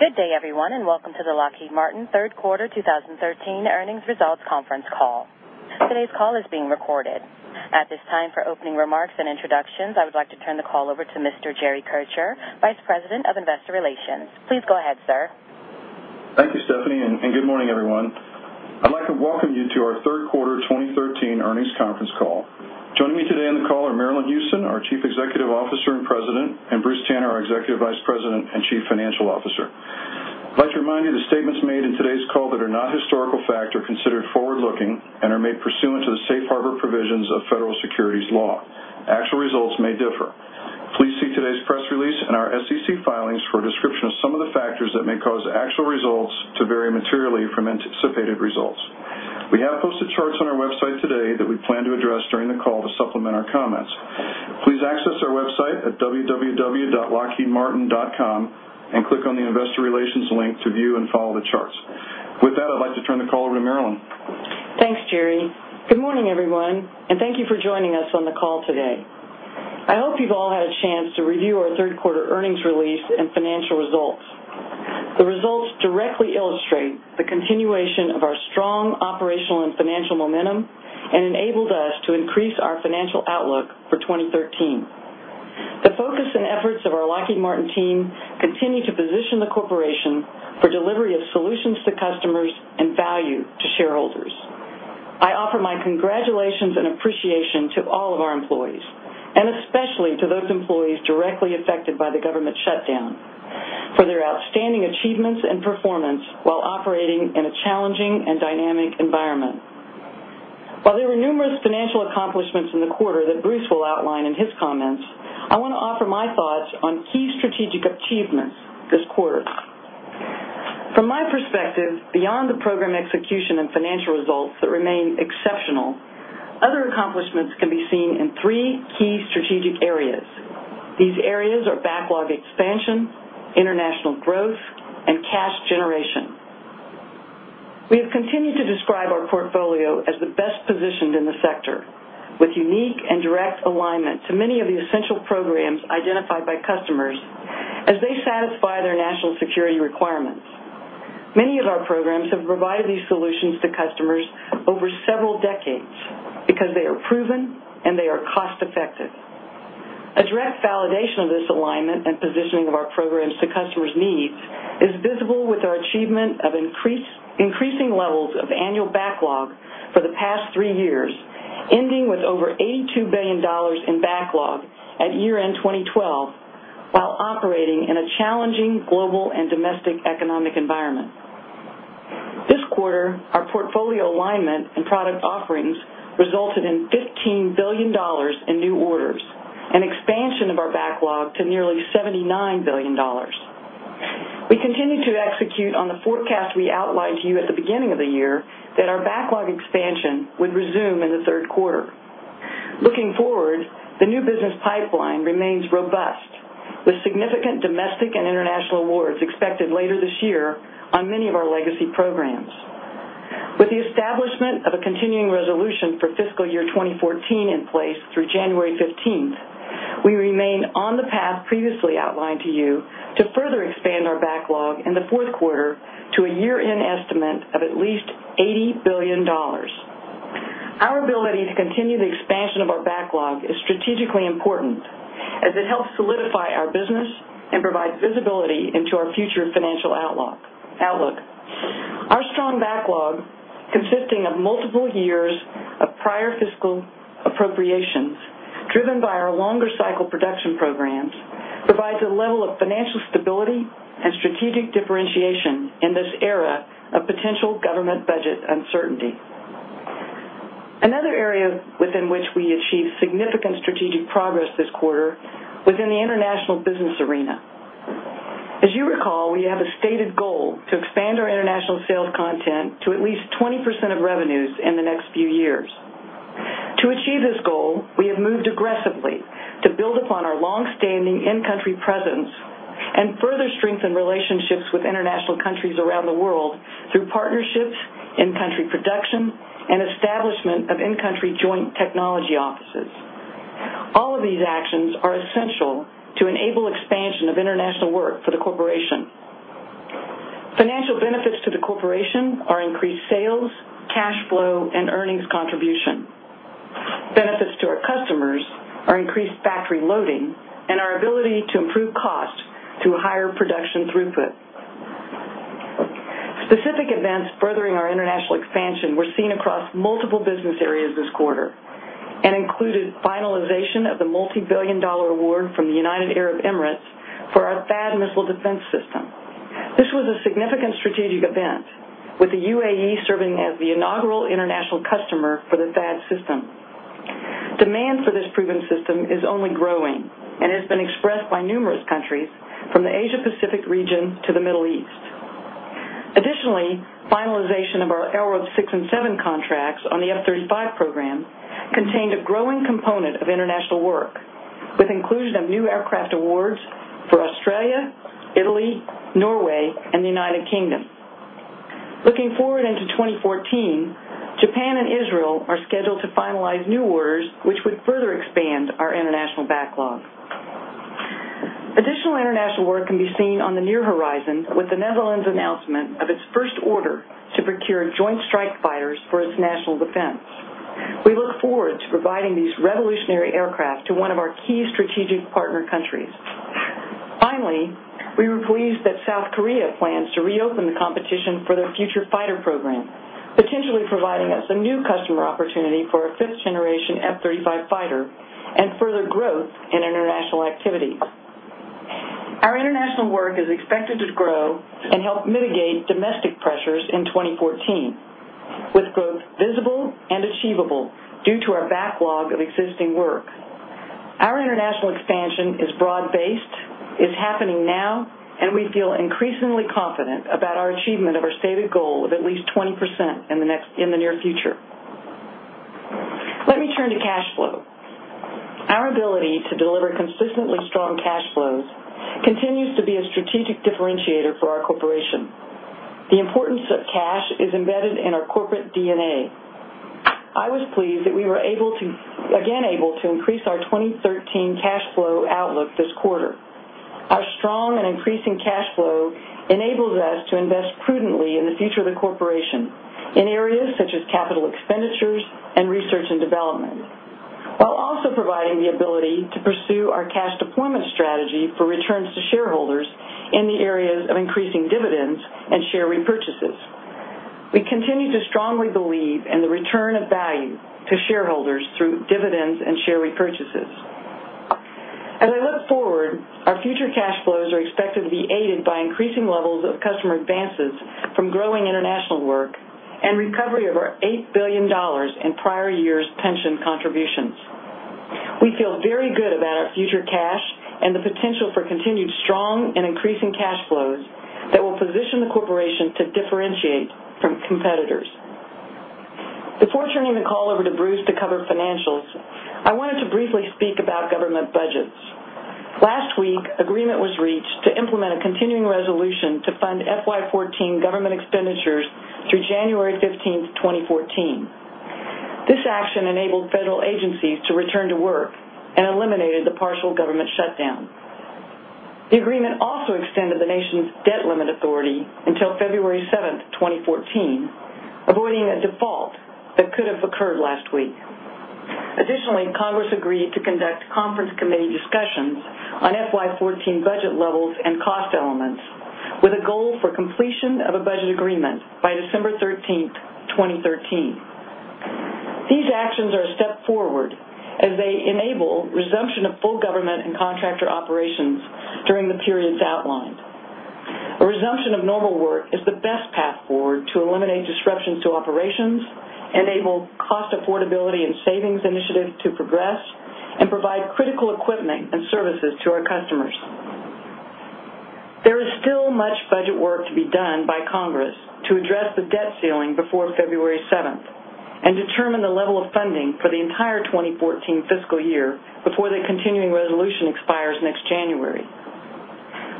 Good day, everyone, and welcome to the Lockheed Martin third quarter 2013 earnings results conference call. Today's call is being recorded. At this time, for opening remarks and introductions, I would like to turn the call over to Mr. Jerry Kircher, Vice President of Investor Relations. Please go ahead, sir. Thank you, Stephanie, and good morning, everyone. I'd like to welcome you to our third quarter 2013 earnings conference call. Joining me today on the call are Marillyn Hewson, our Chief Executive Officer and President, and Bruce Tanner, our Executive Vice President and Chief Financial Officer. I'd like to remind you the statements made in today's call that are not historical fact are considered forward-looking and are made pursuant to the safe harbor provisions of federal securities law. Actual results may differ. Please see today's press release and our SEC filings for a description of some of the factors that may cause actual results to vary materially from anticipated results. We have posted charts on our website today that we plan to address during the call to supplement our comments. Please access our website at www.lockheedmartin.com and click on the Investor Relations link to view and follow the charts. With that, I'd like to turn the call over to Marillyn. Thanks, Jerry. Good morning, everyone, and thank you for joining us on the call today. I hope you've all had a chance to review our third quarter earnings release and financial results. The results directly illustrate the continuation of our strong operational and financial momentum and enabled us to increase our financial outlook for 2013. The focus and efforts of our Lockheed Martin team continue to position the corporation for delivery of solutions to customers and value to shareholders. I offer my congratulations and appreciation to all of our employees, and especially to those employees directly affected by the government shutdown, for their outstanding achievements and performance while operating in a challenging and dynamic environment. While there are numerous financial accomplishments in the quarter that Bruce will outline in his comments, I want to offer my thoughts on key strategic achievements this quarter. From my perspective, beyond the program execution and financial results that remain exceptional, other accomplishments can be seen in three key strategic areas. These areas are backlog expansion, international growth, and cash generation. We have continued to describe our portfolio as the best positioned in the sector, with unique and direct alignment to many of the essential programs identified by customers as they satisfy their national security requirements. Many of our programs have provided these solutions to customers over several decades because they are proven and they are cost-effective. A direct validation of this alignment and positioning of our programs to customers' needs is visible with our achievement of increasing levels of annual backlog for the past three years, ending with over $82 billion in backlog at year-end 2012, while operating in a challenging global and domestic economic environment. This quarter, our portfolio alignment and product offerings resulted in $15 billion in new orders, an expansion of our backlog to nearly $79 billion. We continue to execute on the forecast we outlined to you at the beginning of the year that our backlog expansion would resume in the third quarter. Looking forward, the new business pipeline remains robust, with significant domestic and international awards expected later this year on many of our legacy programs. With the establishment of a Continuing Resolution for FY 2014 in place through January 15th, we remain on the path previously outlined to you to further expand our backlog in the fourth quarter to a year-end estimate of at least $80 billion. Our strong backlog, consisting of multiple years of prior fiscal appropriations, driven by our longer cycle production programs, provides a level of financial stability and strategic differentiation in this era of potential government budget uncertainty. Another area within which we achieved significant strategic progress this quarter was in the international business arena. As you recall, we have a stated goal to expand our international sales content to at least 20% of revenues in the next few years. To achieve this goal, we have moved aggressively to build upon our long-standing in-country presence and further strengthen relationships with international countries around the world through partnerships, in-country production, and establishment of in-country joint technology offices. All of these actions are essential to enable expansion of international work for the corporation. Financial benefits to the corporation are increased sales, cash flow, and earnings contribution. Benefits to our customers are increased factory loading and our ability to improve cost through higher production throughput. Specific events furthering our international expansion were seen across multiple business areas this quarter and included finalization of the multi-billion dollar award from the United Arab Emirates for our THAAD missile defense system. This was a significant strategic event, with the UAE serving as the inaugural international customer for the THAAD system. Demand for this proven system is only growing and has been expressed by numerous countries from the Asia-Pacific region to the Middle East. Additionally, finalization of our LRIP 6 and 7 contracts on the F-35 program contained a growing component of international work, with inclusion of new aircraft awards for Australia, Italy, Norway, and the United Kingdom. Looking forward into 2014, Japan and Israel are scheduled to finalize new orders, which would further expand our international backlog. Additional international work can be seen on the near horizon with the Netherlands' announcement of its first order to procure Joint Strike Fighters for its national defense. We look forward to providing these revolutionary aircraft to one of our key strategic partner countries. Finally, we were pleased that South Korea plans to reopen the competition for their future fighter program, potentially providing us a new customer opportunity for a fifth-generation F-35 fighter and further growth in international activity. Our international work is expected to grow and help mitigate domestic pressures in 2014, with growth visible and achievable due to our backlog of existing work. Our international expansion is broad-based, it's happening now, and we feel increasingly confident about our achievement of our stated goal of at least 20% in the near future. Let me turn to cash flow. Our ability to deliver consistently strong cash flows continues to be a strategic differentiator for our corporation. The importance of cash is embedded in our corporate DNA. I was pleased that we were again able to increase our 2013 cash flow outlook this quarter. Our strong and increasing cash flow enables us to invest prudently in the future of the corporation in areas such as capital expenditures and research and development, while also providing the ability to pursue our cash deployment strategy for returns to shareholders in the areas of increasing dividends and share repurchases. We continue to strongly believe in the return of value to shareholders through dividends and share repurchases. As I look forward, our future cash flows are expected to be aided by increasing levels of customer advances from growing international work and recovery of our $8 billion in prior years' pension contributions. We feel very good about our future cash and the potential for continued strong and increasing cash flows that will position the corporation to differentiate from competitors. Before turning the call over to Bruce to cover financials, I wanted to briefly speak about government budgets. Last week, agreement was reached to implement a Continuing Resolution to fund FY 2014 government expenditures through January 15th, 2014. This action enabled federal agencies to return to work and eliminated the partial government shutdown. The agreement also extended the nation's debt limit authority until February 7th, 2014, avoiding a default that could have occurred last week. Congress agreed to conduct conference committee discussions on FY 2014 budget levels and cost elements with a goal for completion of a budget agreement by December 13th, 2013. These actions are a step forward as they enable resumption of full government and contractor operations during the periods outlined. A resumption of normal work is the best path forward to eliminate disruptions to operations, enable cost affordability and savings initiatives to progress, and provide critical equipment and services to our customers. There is still much budget work to be done by Congress to address the debt ceiling before February 7th and determine the level of funding for the entire 2014 fiscal year before the Continuing Resolution expires next January.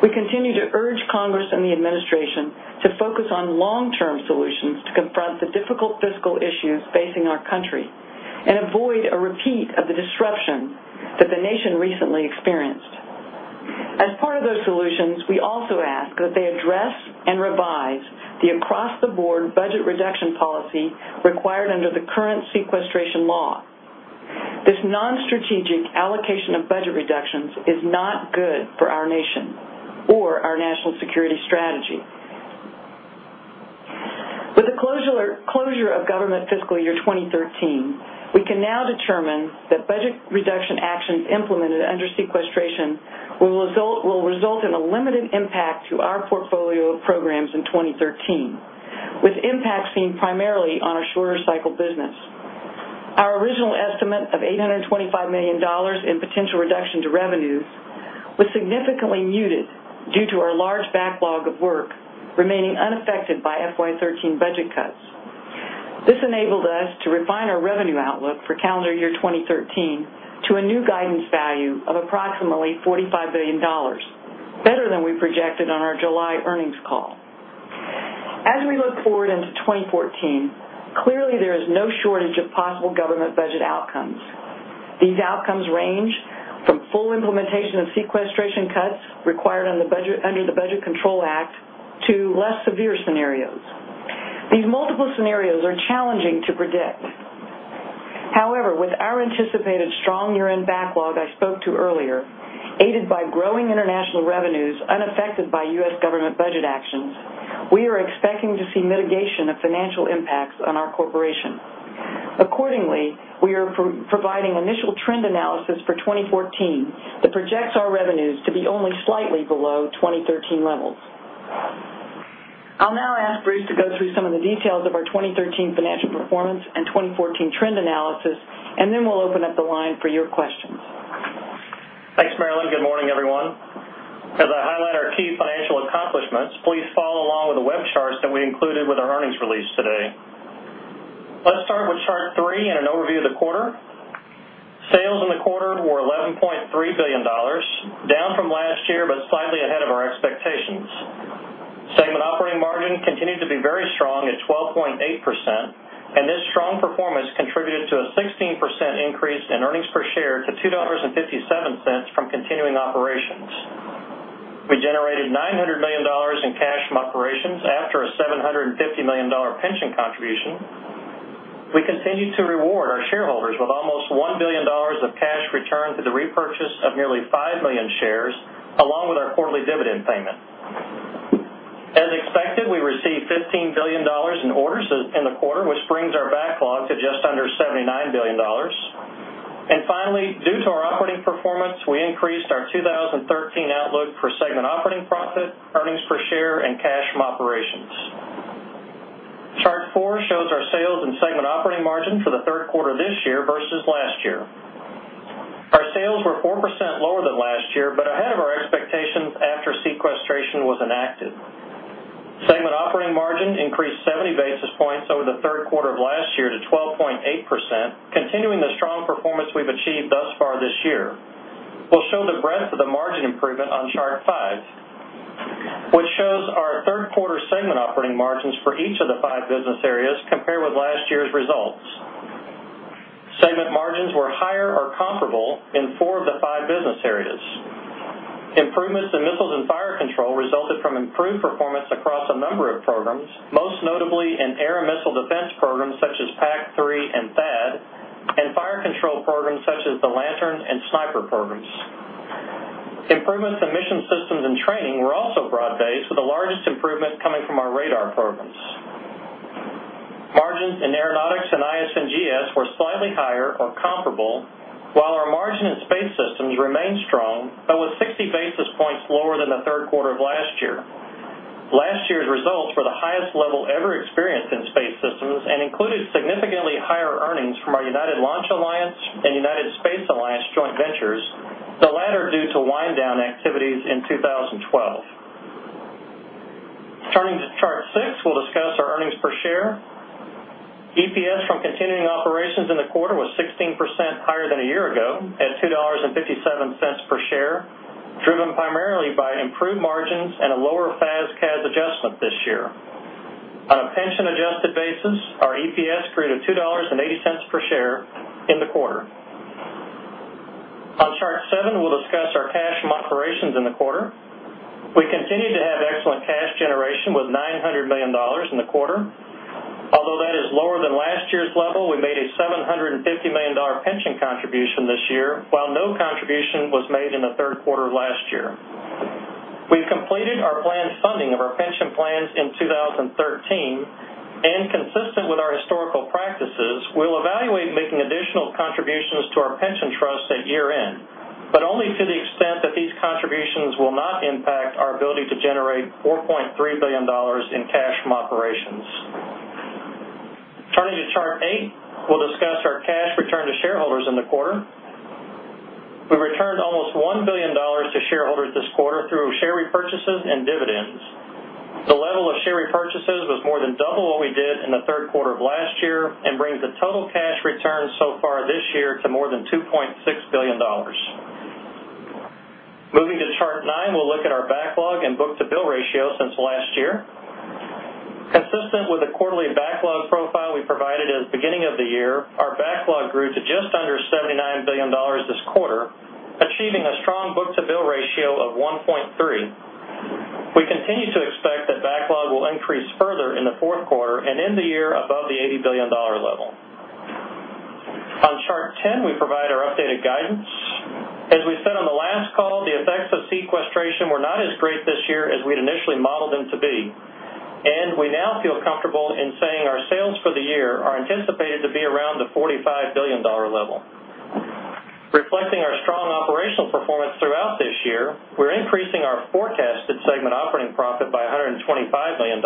We continue to urge Congress and the administration to focus on long-term solutions to confront the difficult fiscal issues facing our country and avoid a repeat of the disruption that the nation recently experienced. As part of those solutions, we also ask that they address and revise the across-the-board budget reduction policy required under the current sequestration law. This non-strategic allocation of budget reductions is not good for our nation or our national security strategy. With the closure of government fiscal year 2013, we can now determine that budget reduction actions implemented under sequestration will result in a limited impact to our portfolio of programs in 2013, with impacts seen primarily on our shorter cycle business. Our original estimate of $825 million in potential reduction to revenues was significantly muted due to our large backlog of work remaining unaffected by FY 2013 budget cuts. This enabled us to refine our revenue outlook for calendar year 2013 to a new guidance value of approximately $45 billion, better than we projected on our July earnings call. As we look forward into 2014, clearly there is no shortage of possible government budget outcomes. These outcomes range from full implementation of sequestration cuts required under the Budget Control Act to less severe scenarios. These multiple scenarios are challenging to predict. However, with our anticipated strong year-end backlog I spoke to earlier, aided by growing international revenues unaffected by U.S. government budget actions, we are expecting to see mitigation of financial impacts on our corporation. Accordingly, we are providing initial trend analysis for 2014 that projects our revenues to be only slightly below 2013 levels. I'll now ask Bruce to go through some of the details of our 2013 financial performance and 2014 trend analysis, and then we'll open up the line for your questions. Thanks, Marillyn. Good morning, everyone. As I highlight our key financial accomplishments, please follow along with the web charts that we included with our earnings release today. Slightly ahead of our expectations. Segment operating margin continued to be very strong at 12.8%, and this strong performance contributed to a 16% increase in earnings per share to $2.57 from continuing operations. We generated $900 million in cash from operations after a $750 million pension contribution. We continue to reward our shareholders with almost $1 billion of cash returned through the repurchase of nearly 5 million shares, along with our quarterly dividend payment. As expected, we received $15 billion in orders in the quarter, which brings our backlog to just under $79 billion. Finally, due to our operating performance, we increased our 2013 outlook for segment operating profit, earnings per share, and cash from operations. Chart four shows our sales and segment operating margin for the third quarter this year versus last year. Our sales were 4% lower than last year, but ahead of our expectations after sequestration was enacted. Segment operating margin increased 70 basis points over the third quarter of last year to 12.8%, continuing the strong performance we've achieved thus far this year. We'll show the breadth of the margin improvement on chart five, which shows our third quarter segment operating margins for each of the five business areas compared with last year's results. Segment margins were higher or comparable in four of the five business areas. Improvements in Missiles and Fire Control resulted from improved performance across a number of programs, most notably in air and missile defense programs such as PAC-3 and THAAD, and fire control programs such as the LANTIRN and Sniper programs. Improvements in Mission Systems and Training were also broad-based, with the largest improvement coming from our radar programs. Margins in aeronautics and IS&GS were slightly higher or comparable, while our margin in Space Systems remained strong, but was 60 basis points lower than the third quarter of last year. Last year's results were the highest level ever experienced in Space Systems and included significantly higher earnings from our United Launch Alliance and United Space Alliance joint ventures, the latter due to wind down activities in 2012. Turning to chart six, we'll discuss our earnings per share. EPS from continuing operations in the quarter was 16% higher than a year ago at $2.57 per share, driven primarily by improved margins and a lower FAS/CAS adjustment this year. On a pension adjusted basis, our EPS grew to $2.80 per share in the quarter. On chart seven, we'll discuss our cash from operations in the quarter. We continued to have excellent cash generation with $900 million in the quarter. Although that is lower than last year's level, we made a $750 million pension contribution this year, while no contribution was made in the third quarter of last year. We've completed our planned funding of our pension plans in 2013, and consistent with our historical practices, we'll evaluate making additional contributions to our pension trust at year-end, but only to the extent that these contributions will not impact our ability to generate $4.3 billion in cash from operations. Turning to chart eight, we'll discuss our cash return to shareholders in the quarter. We returned almost $1 billion to shareholders this quarter through share repurchases and dividends. The level of share repurchases was more than double what we did in the third quarter of last year and brings the total cash return so far this year to more than $2.6 billion. Moving to chart nine, we'll look at our backlog and book-to-bill ratio since last year. Consistent with the quarterly backlog profile we provided at the beginning of the year, our backlog grew to just under $79 billion this quarter, achieving a strong book-to-bill ratio of 1.3. We continue to expect that backlog will increase further in the fourth quarter and end the year above the $80 billion level. On chart 10, we provide our updated guidance. As we said on the last call, the effects of sequestration were not as great this year as we'd initially modeled them to be, we now feel comfortable in saying our sales for the year are anticipated to be around the $45 billion level. Reflecting our strong operational performance throughout this year, we're increasing our forecasted segment operating profit by $125 million.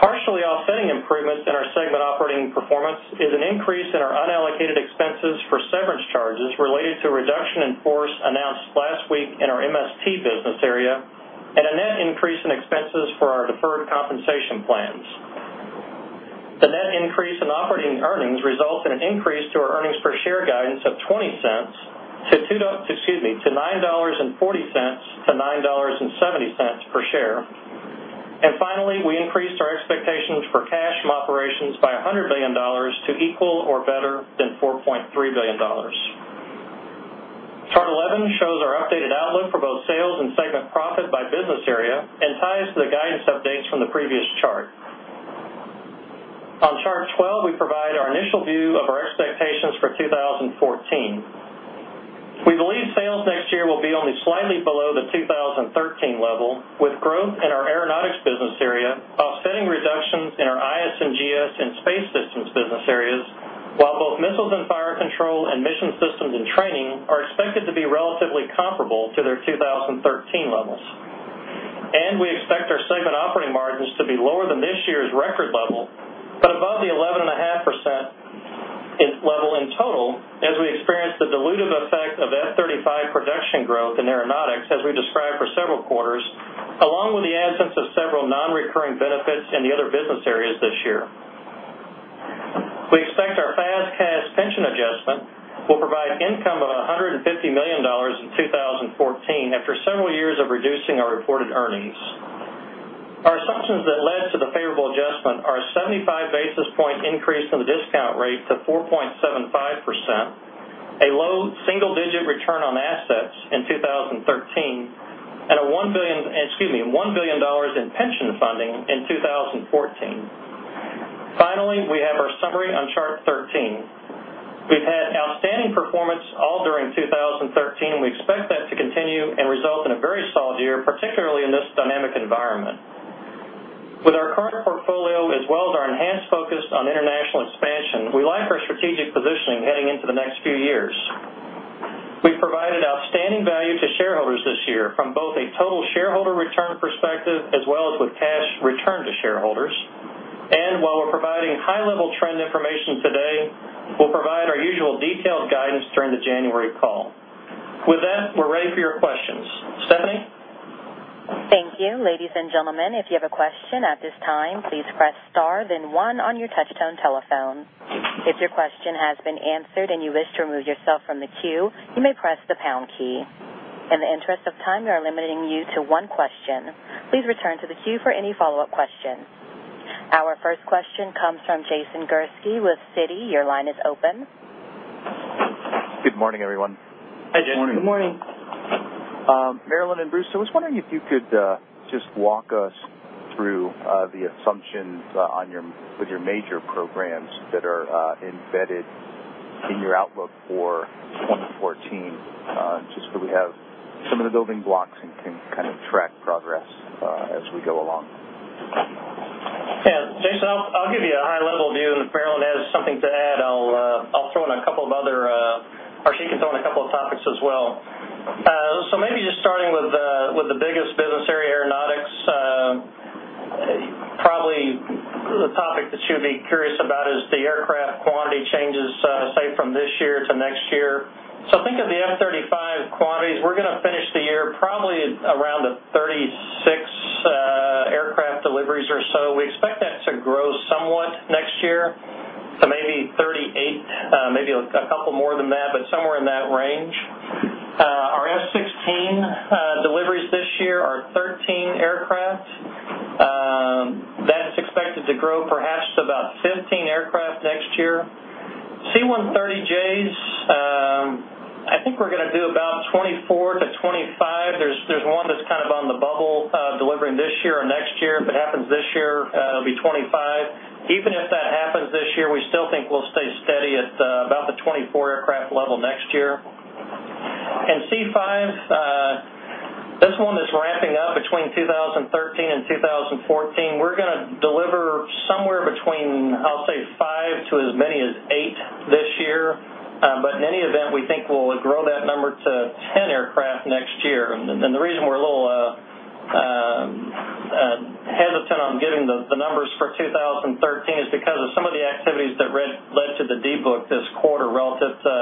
Partially offsetting improvements in our segment operating performance is an increase in our unallocated expenses for severance charges related to reduction in force announced last week in our MST business area and a net increase in expenses for our deferred compensation plans. The net increase in operating earnings results in an increase to our earnings per share guidance of $0.20 to $9.40-$9.70 per share. Finally, we increased our expectations for cash from operations by $100 million to equal or better than $4.3 billion. Chart 11 shows our updated outlook for both sales and segment profit by business area and ties to the guidance updates from the previous chart. On Chart 12, we provide our initial view of our expectations for 2014. We believe sales next year will be only slightly below the 2013 level, with growth in our Aeronautics business area offsetting reductions in our IS&GS and Space Systems business areas, while both Missiles and Fire Control and Mission Systems and Training are expected to be relatively comparable to their 2013 levels. We expect our segment operating margins to be lower than this year's record level, but above the 11.5% level in total as we experience the dilutive effect of F-35 production growth in Aeronautics as we described for several quarters, along with the absence of several non-recurring benefits in adjustment will provide income of $150 million in 2014 after several years of reducing our reported earnings. Our assumptions that led to the favorable adjustment are a 75 basis point increase in the discount rate to 4.75%, a low single-digit return on assets in 2013, and a $1 billion in pension funding in 2014. Finally, we have our summary on Chart 13. We've had outstanding performance all during 2013. We expect that to continue and result in a very solid year, particularly in this dynamic environment. With our current portfolio as well as our enhanced focus on international expansion, we like our strategic positioning heading into the next few years. We've provided outstanding value to shareholders this year from both a total shareholder return perspective as well as with cash return to shareholders. While we're providing high-level trend information today, we'll provide our usual detailed guidance during the January call. With that, we're ready for your questions. Stephanie? Thank you. Ladies and gentlemen, if you have a question at this time, please press star then one on your touch-tone telephone. If your question has been answered and you wish to remove yourself from the queue, you may press the pound key. In the interest of time, we are limiting you to one question. Please return to the queue for any follow-up questions. Our first question comes from Jason Gursky with Citi. Your line is open. Good morning, everyone. Hi, Jason. Good morning. Marillyn and Bruce, I was wondering if you could just walk us through the assumptions with your major programs that are embedded in your outlook for 2014, just so we have some of the building blocks and can kind of track progress as we go along. Jason, I'll give you a high-level view, and if Marillyn has something to add, I'll throw in a couple of other, or she can throw in a couple of topics as well. Maybe just starting with the biggest business area, aeronautics. Probably the topic that you'd be curious about is the aircraft quantity changes, say, from this year to next year. Think of the F-35 quantities. We're going to finish the year probably around the 36 aircraft deliveries or so. We expect that to grow somewhat next year. Maybe 38, maybe a couple more than that, but somewhere in that range. Our F-16 deliveries this year are 13 aircraft. That's expected to grow perhaps to about 15 aircraft next year. C-130Js, I think we're going to do about 24 to 25. There's one that's kind of on the bubble delivering this year or next year. If it happens this year, it'll be 25. Even if that happens this year, we still think we'll stay steady at about the 24 aircraft level next year. C-5, this one is ramping up between 2013 and 2014. We're going to deliver somewhere between, I'll say five to as many as eight this year. In any event, we think we'll grow that number to 10 aircraft next year. The reason we're a little hesitant on giving the numbers for 2013 is because of some of the activities that led to the de-book this quarter relative to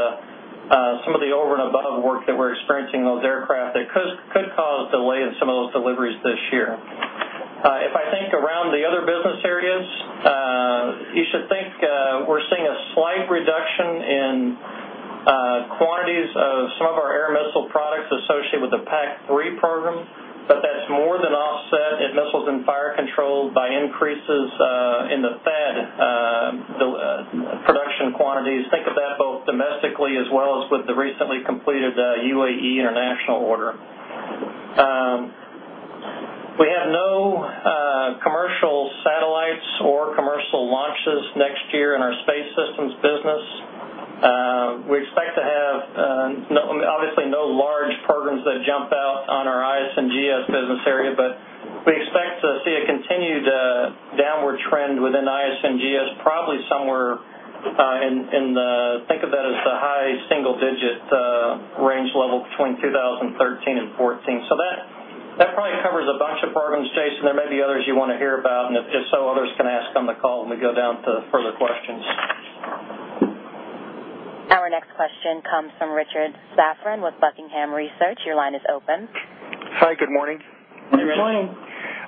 some of the over-and-above work that we're experiencing those aircraft that could cause delay in some of those deliveries this year. If I think around the other business areas, you should think we're seeing a slight reduction in quantities of some of our air missile products associated with the PAC-3 program. That's more than offset in Missiles and Fire Control by increases in the THAAD production quantities. Think of that both domestically as well as with the recently completed UAE international order. We have no commercial satellites or commercial launches next year in our space systems business. We expect to have obviously no large programs that jump out on our IS&GS business area, but we expect to see a continued downward trend within IS&GS, probably somewhere in the, think of that as the high single-digit range level between 2013 and 2014. That probably covers a bunch of programs, Jason. There may be others you want to hear about, and if so, others can ask on the call when we go down to further questions. Our next question comes from Richard Safran with Buckingham Research. Your line is open. Hi, good morning. Good morning.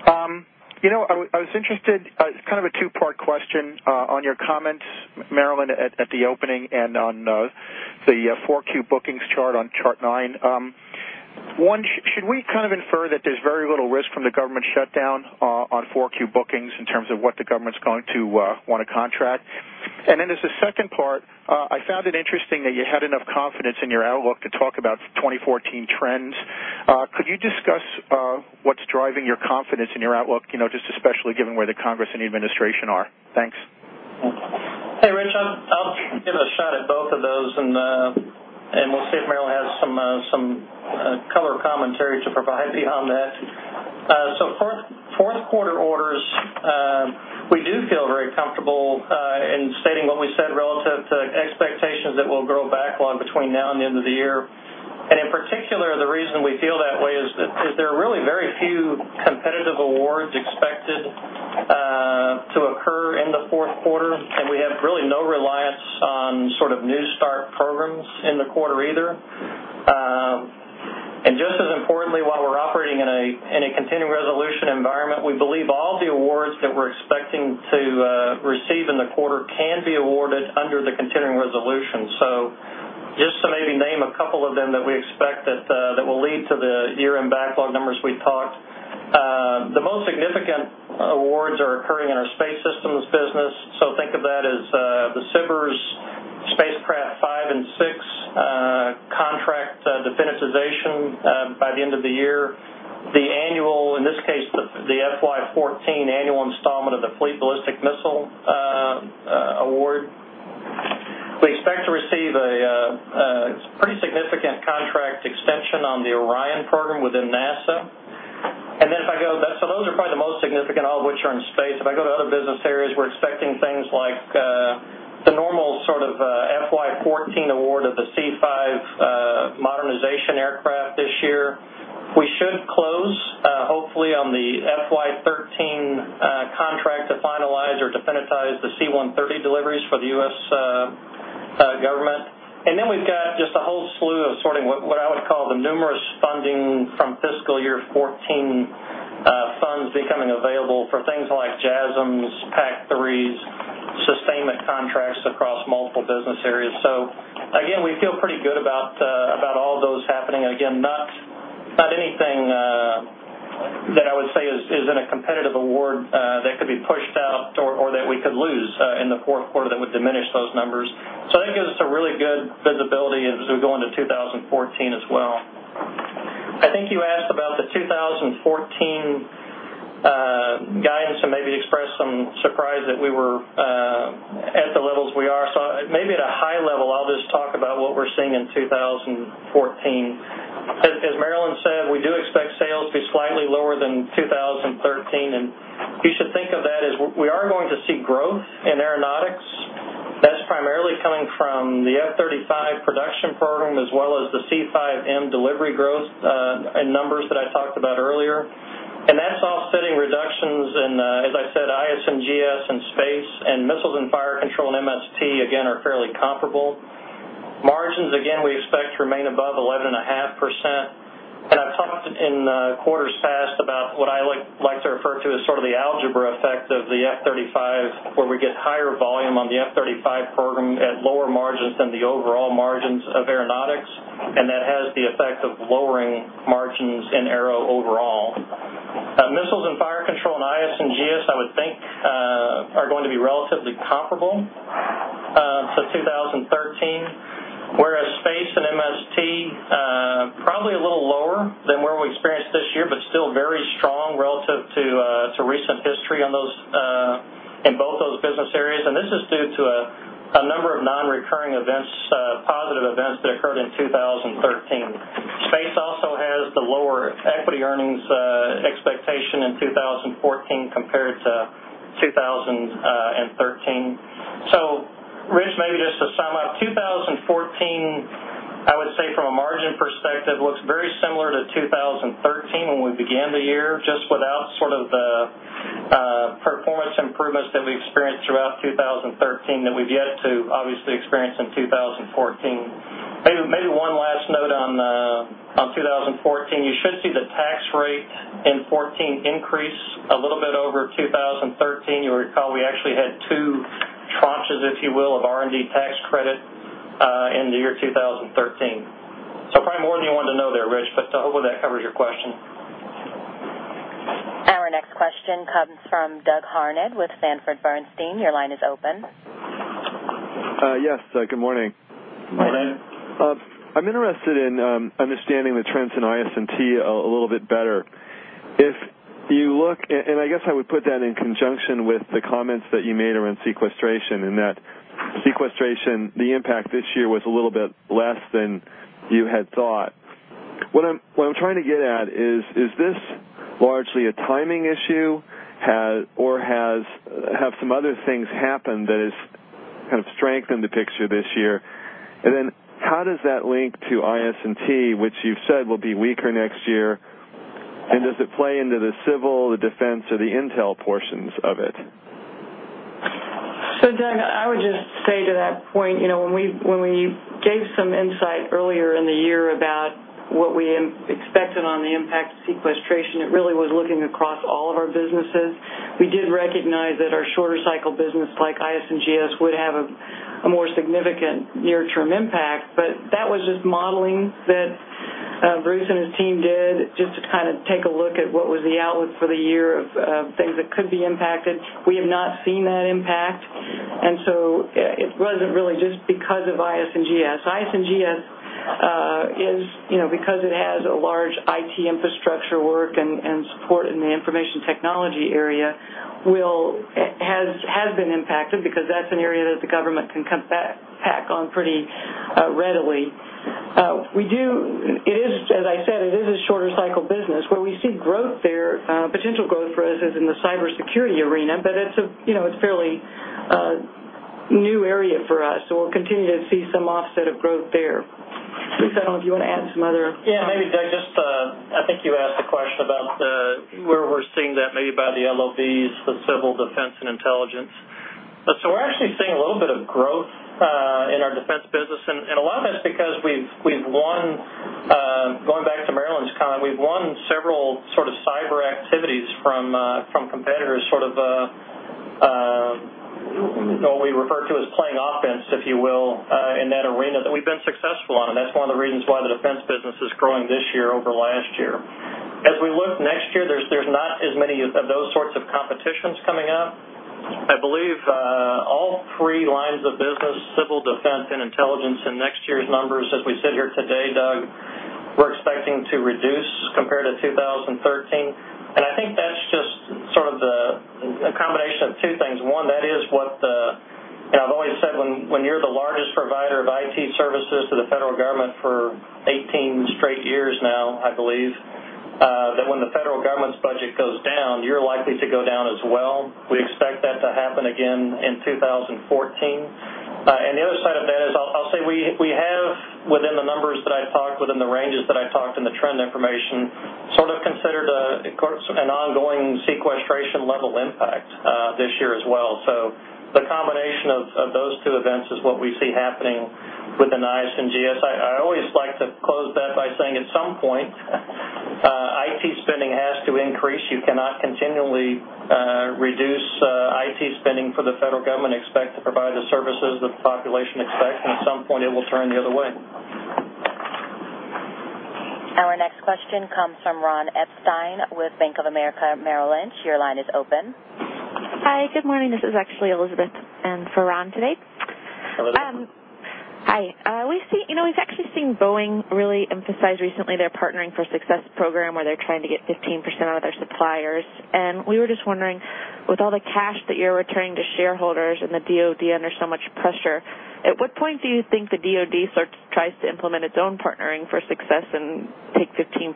Good morning. I was interested, it's kind of a two-part question on your comments, Marillyn, at the opening and on the 4Q bookings chart on Chart nine. One, should we kind of infer that there's very little risk from the government shutdown on 4Q bookings in terms of what the government's going to want to contract? Then as a second part, I found it interesting that you had enough confidence in your outlook to talk about 2014 trends. Could you discuss what's driving your confidence in your outlook, just especially given where the Congress and the administration are? Thanks. Hey, Rich. I'll give a shot at both of those, and we'll see if Marillyn has some color commentary to provide beyond that. Fourth quarter orders, we do feel very comfortable in stating what we said relative to expectations that we'll grow backlog between now and the end of the year. In particular, the reason we feel that way is that there are really very few competitive awards expected to occur in the fourth quarter, and we have really no reliance on sort of new start programs in the quarter either. To receive in the quarter can be awarded under the Continuing Resolution. Just to maybe name a couple of them that we expect that will lead to the year-end backlog numbers we talked. The most significant awards are occurring in our Space Systems business. Think of that as the SBIRS spacecraft 5 and 6 contract definitization by the end of the year, the annual, in this case, the FY 2014 annual installment of the Fleet Ballistic Missile award. We expect to receive a pretty significant contract extension on the Orion program within NASA. Those are probably the most significant, all of which are in Space. If I go to other business areas, we're expecting things like the normal sort of FY 2014 award of the C-5 modernization aircraft this year. We should close, hopefully, on the FY 2013 contract to finalize or definitize the C-130 deliveries for the U.S. government. Then we've got just a whole slew of sorting, what I would call the numerous funding from fiscal year 2014 funds becoming available for things like JASSMs, PAC-3s, sustainment contracts across multiple business areas. Again, we feel pretty good about all of those happening. Again, not anything that I would say is in a competitive award that could be pushed out or that we could lose in the fourth quarter that would diminish those numbers. That gives us a really good visibility as we go into 2014 as well. I think you asked about the 2014 guidance and maybe expressed some surprise that we were at the levels we are. Maybe at a high level, I'll just talk about what we're seeing in 2014. As Marillyn said, we do expect sales to be slightly lower than 2013, and you should think of that as we are going to see growth in Aeronautics. That's primarily coming from the F-35 production program, as well as the C-5M delivery growth and numbers that I talked about earlier. That's offsetting reductions in, as I said, IS&GS, and Space, and Missiles and Fire Control, and MST, again, are fairly comparable. Margins, again, we expect to remain above 11.5%. I've talked in quarters past about what I like to refer to as sort of the algebra effect of the F-35, where we get higher volume on the F-35 program at lower margins than the overall margins of Aeronautics, and that has the effect of lowering margins in Aero overall. Missiles and Fire Control and IS&GS, I would think, are going to be relatively comparable to 2013, whereas Space and MST, probably a little lower than where we experienced this year, but still very strong relative to recent history in both those business areas. This is due to a number of non-recurring events, positive events that occurred in 2013. Space also has the lower equity earnings expectation in 2014 compared to 2013. Rich, maybe just to sum up, 2014, I would say from a margin perspective, looks very similar to 2013 when we began the year, just without sort of the performance improvements that we experienced throughout 2013 that we've yet to obviously experience in 2014. Maybe one last note on 2014, you should see the tax rate in 2014 increase a little bit over 2013. You'll recall we actually had two tranches, if you will, of R&D tax credit in the year 2013. Probably more than you wanted to know there, Rich, but I hope that covers your question. Our next question comes from Doug Harned with Sanford C. Bernstein. Your line is open. Yes, good morning. Morning. I'm interested in understanding the trends in IS&GS a little bit better. If you look, I guess I would put that in conjunction with the comments that you made around sequestration, in that sequestration, the impact this year was a little bit less than you had thought. What I'm trying to get at is this largely a timing issue, or have some other things happened that has kind of strengthened the picture this year? Then how does that link to IS&GS, which you've said will be weaker next year? Does it play into the civil, the defense, or the intel portions of it? Doug, I would just say to that point, when we gave some insight earlier in the year about what we expected on the impact of sequestration, it really was looking across all of our businesses. We did recognize that our shorter cycle business, like IS&GS, would have a more significant near-term impact. That was just modeling that Bruce and his team did just to kind of take a look at what was the outlook for the year of things that could be impacted. We have not seen that impact, it wasn't really just because of IS&GS. IS&GS, because it has a large IT infrastructure work and support in the information technology area, has been impacted because that's an area that the Federal Government can cut back on pretty readily. As I said, it is a shorter cycle business. Where we see potential growth for us is in the cybersecurity arena, it's a fairly new area for us, we'll continue to see some offset of growth there. Bruce, I don't know if you want to add some other. Maybe, Doug, just I think you asked a question about where we're seeing that maybe by the LOBs for civil defense and intelligence. We're actually seeing a little bit of growth in our defense business, and a lot of that's because we've won several sort of cyber activities from competitors, sort of what we refer to as playing offense, if you will, in that arena that we've been successful on. That's one of the reasons why the defense business is growing this year over last year. As we look next year, there's not as many of those sorts of competitions coming up. I believe all three lines of business, civil defense, and intelligence in next year's numbers as we sit here today, Doug, we're expecting to reduce compared to 2013. I think that's just sort of the combination of two things. One, that is what I've always said, when you're the largest provider of IT services to the Federal Government for 18 straight years now, I believe, that when the Federal Government's budget goes down, you're likely to go down as well. We expect that to happen again in 2014. The other side of that is, I'll say, we have, within the numbers that I talked, within the ranges that I talked and the trend information, sort of considered an ongoing sequestration level impact this year as well. The combination of those two events is what we see happening within IS&GS. I always like to close that by saying, at some point, IT spending has to increase. You cannot continually reduce IT spending for the Federal Government, expect to provide the services that the population expects, and at some point it will turn the other way. Our next question comes from Ronald Epstein with Bank of America Merrill Lynch. Your line is open. Hi. Good morning. This is actually Elizabeth in for Ron today. Hello. Hi. We've actually seen Boeing really emphasize recently their Partnering for Success program, where they're trying to get 15% out of their suppliers. We were just wondering, with all the cash that you're returning to shareholders and the DoD under so much pressure, at what point do you think the DoD sort of tries to implement its own Partnering for Success and take 15%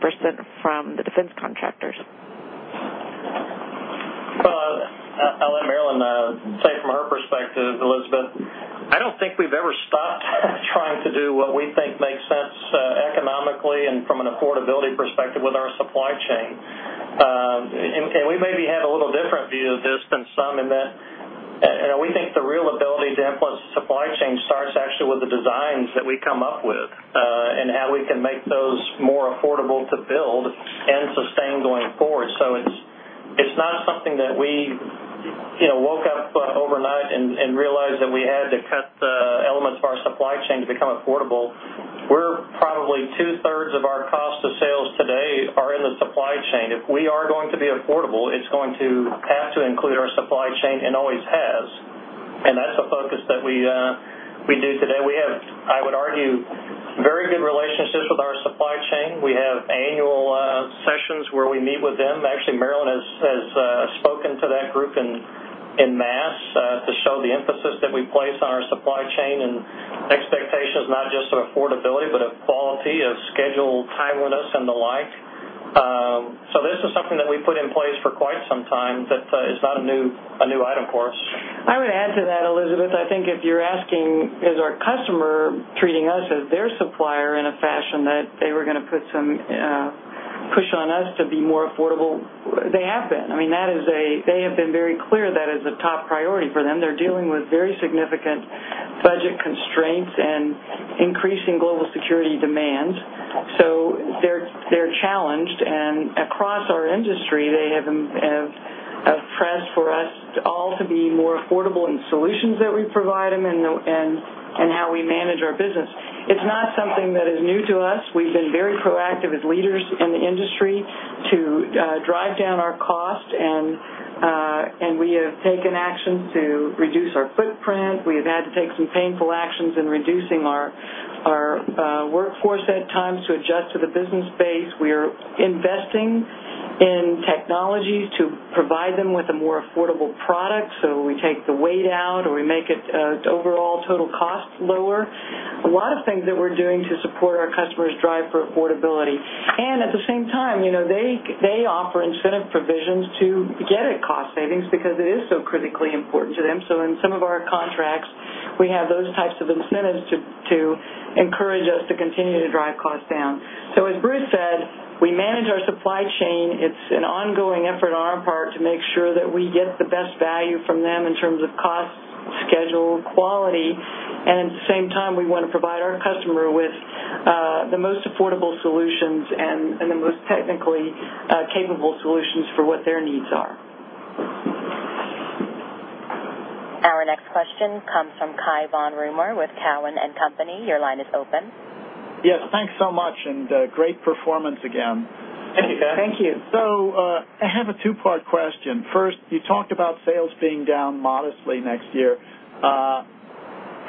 from the defense contractors? Well, I'll let Marillyn say from her perspective, Elizabeth. I don't think we've ever stopped trying to do what we think makes sense economically and from an affordability perspective with our supply chain. We maybe have a little different view of this than some, in that we think the real ability to influence the supply chain starts actually with the designs that we come up with, and how we can make those more affordable to build and sustain going forward. It's not something that we woke up overnight and realized that we had to cut elements of our supply chain to become affordable. Probably two-thirds of our cost of sales today are in the supply chain. If we are going to be affordable, it's going to have to include our supply chain and always has. That's a focus that we do today. We have, I would argue, very good relationships with our supply chain. We have annual sessions where we meet with them. Actually, Marillyn has spoken to that group in mass to show the emphasis that we place on our supply chain and expectations, not just of affordability, but of quality, of schedule timeliness and the like. This is something that we put in place for quite some time, that is not a new item for us. I would add to that, Elizabeth, I think if you're asking is our customer treating us as their supplier in a fashion that they were going to put some push on us to be more affordable, they have been. They have been very clear that is a top priority for them. They're dealing with very significant budget constraints and increasing global security demands. They're challenged, and across our industry, they have pressed for us all to be more affordable in solutions that we provide them and how we manage our business. It's not something that is new to us. We've been very proactive as leaders in the industry to drive down our cost. We have taken action to reduce our footprint. We have had to take some painful actions in reducing our workforce at times to adjust to the business base. We're investing in technologies to provide them with a more affordable product. We take the weight out, or we make its overall total cost lower. A lot of things that we're doing to support our customers drive for affordability. At the same time, they offer incentive provisions to get at cost savings because it is so critically important to them. In some of our contracts, we have those types of incentives to encourage us to continue to drive costs down. As Bruce said, we manage our supply chain. It's an ongoing effort on our part to make sure that we get the best value from them in terms of cost, schedule, quality, and at the same time, we want to provide our customer with the most affordable solutions and the most technically capable solutions for what their needs are. Our next question comes from Cai von Rumohr with Cowen and Company. Your line is open. Yes, thanks so much, and great performance again. Thank you. I have a two-part question. First, you talked about sales being down modestly next year.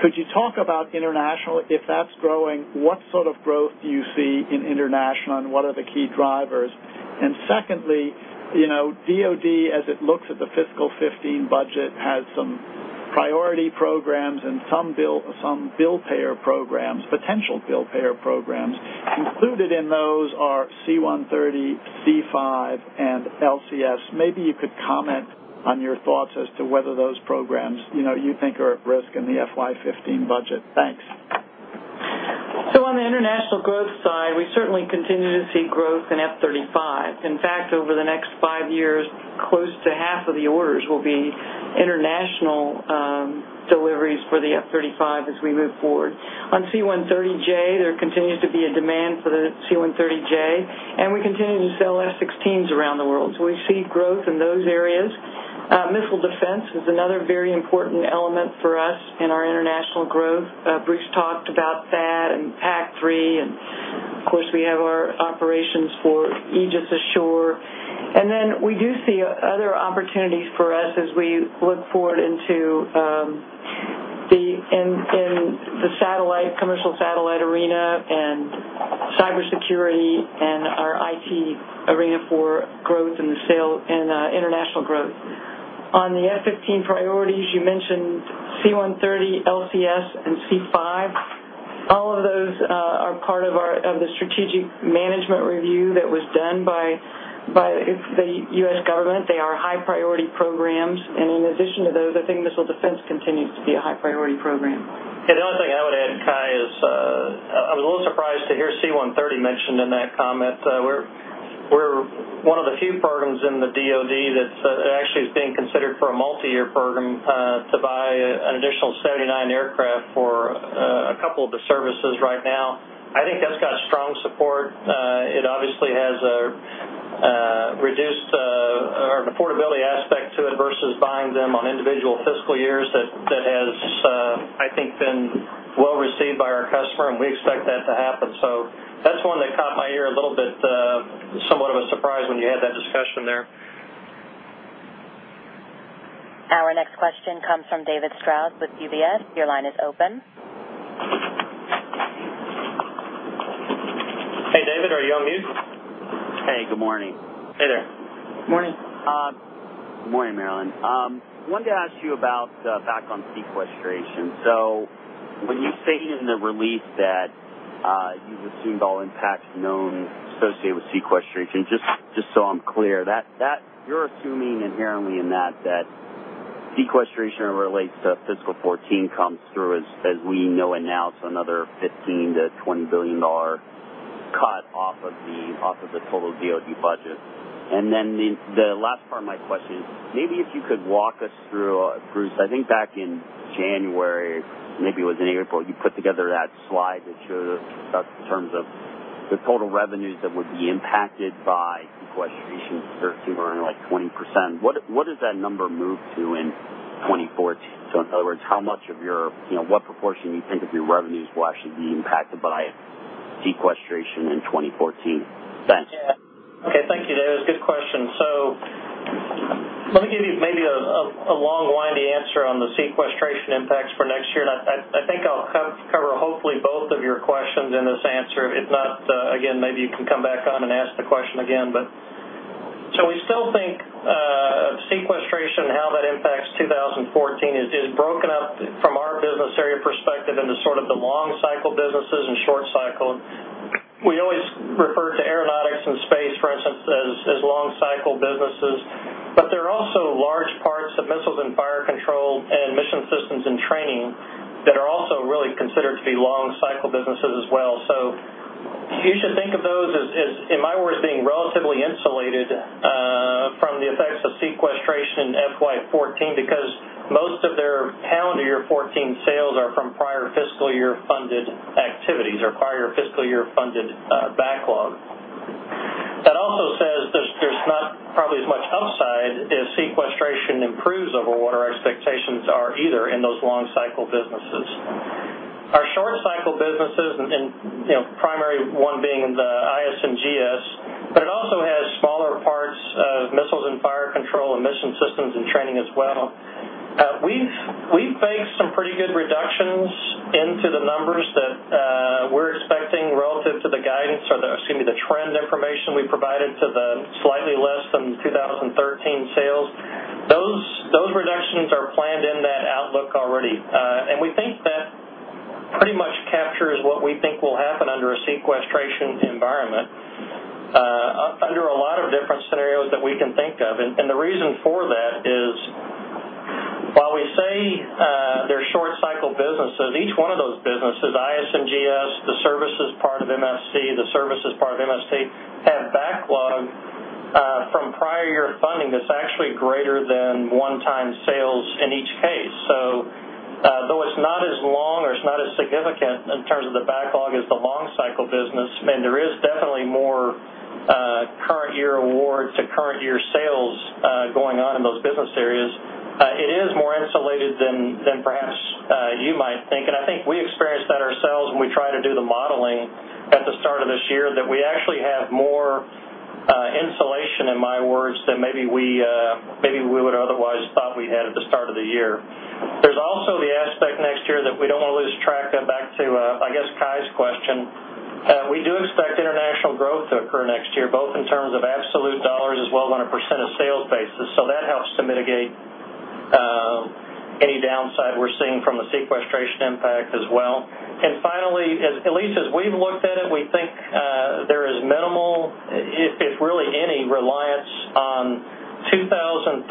Could you talk about international, if that's growing, what sort of growth do you see in international, and what are the key drivers? Secondly, DoD, as it looks at the FY 2015 budget, has some priority programs and some bill payer programs, potential bill payer programs. Included in those are C-130, C-5, and LCS. Maybe you could comment on your thoughts as to whether those programs you think are at risk in the FY 2015 budget. Thanks. On the international growth side, we certainly continue to see growth in F-35. In fact, over the next five years, close to half of the orders will be international for the F-35 as we move forward. On C-130J, there continues to be a demand for the C-130J, and we continue to sell F-16s around the world. We see growth in those areas. Missile defense is another very important element for us in our international growth. Bruce talked about that and PAC-3, and of course, we have our operations for Aegis Ashore. We do see other opportunities for us as we look forward in the commercial satellite arena and cybersecurity and our IT arena for growth and international growth. On the FY 2015 priorities, you mentioned C-130, LCS, and C-5. All of those are part of the strategic management review that was done by the U.S. government. They are high-priority programs. In addition to those, I think missile defense continues to be a high-priority program. Yeah, the only thing I would add, Cai, is I was a little surprised to hear C-130 mentioned in that comment. We're one of the few programs in the DoD that actually is being considered for a multi-year program to buy an additional 79 aircraft for a couple of the services right now. I think that's got strong support. It obviously has a reduced affordability aspect to it versus buying them on individual fiscal years that has, I think, been well received by our customer, and we expect that to happen. That's one that caught my ear a little bit, somewhat of a surprise when you had that discussion there. Our next question comes from David Strauss with UBS. Your line is open. Hey, David, are you on mute? Hey, good morning. Hey there. Morning. Good morning, Marillyn. Wanted to ask you about the fact on sequestration. When you say in the release that you've assumed all impacts known associated with sequestration, just so I'm clear, you're assuming inherently in that sequestration relates to FY 2014 comes through, as we know it now, another $15 billion-$20 billion cut off of the total DoD budget. The last part of my question is, maybe if you could walk us through, Bruce, I think back in January, maybe it was in April, you put together that slide that showed us in terms of the total revenues that would be impacted by sequestration, 30% or like 20%. What does that number move to in 2014? In other words, what proportion you think of your revenues will actually be impacted by sequestration in 2014? Thanks. Yeah. Okay. Thank you, David. Good question. Let me give you maybe a long, windy answer on the sequestration impacts for next year, I think I'll cover hopefully both of your questions in this answer. If not, again, maybe you can come back on and ask the question again. We still think of sequestration, how that impacts 2014 is broken up from our business area perspective into sort of the long cycle businesses and short cycle. We always refer to aeronautics and space, for instance, as long cycle businesses. There are also large parts of Missiles and Fire Control and Mission Systems and Training that are also really considered to be long cycle businesses as well. You should think of those as, in my words, being relatively insulated from the effects of sequestration in FY 2014 because most of their calendar year 2014 sales are from prior fiscal year funded activities or prior fiscal year funded backlog. There's not probably as much upside if sequestration improves over what our expectations are either in those long cycle businesses. Our short cycle businesses, primary one being the IS&GS, but it also has smaller parts of Missiles and Fire Control and Mission Systems and Training as well. We've baked some pretty good reductions into the numbers that we're expecting relative to the guidance or the, excuse me, the trend information we provided to the slightly less than 2013 sales. Those reductions are planned in that outlook already. We think that pretty much captures what we think will happen under a sequestration environment under a lot of different scenarios that we can think of. The reason for that is, while we say they're short cycle businesses, each one of those businesses, IS&GS, the services part of MST, the services part of MST, have backlog from prior year funding that's actually greater than one-time sales in each case. Though it's not as long or it's not as significant in terms of the backlog as the long cycle business, I mean, there is definitely more current year awards to current year sales going on in those business areas. It is more insulated than perhaps you might think. I think we experienced that ourselves when we tried to do the modeling at the start of this year, that we actually have more insulation, in my words, than maybe we would otherwise thought we had at the start of the year. There's also the aspect next year that we don't want to lose track of back to, I guess, Cai's question. We do expect international growth to occur next year, both in terms of absolute dollars as well as on a percent of sales basis. That helps to mitigate any downside we're seeing from the sequestration impact as well. Finally, at least as we've looked at it, we think there is minimal, if really any reliance on 2013